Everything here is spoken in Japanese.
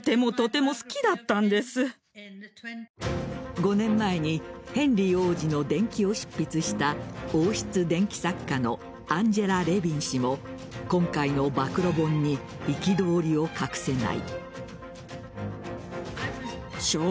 ５年前にヘンリー王子の伝記を執筆した王室伝記作家のアンジェラ・レビン氏も今回の暴露本に憤りを隠せない。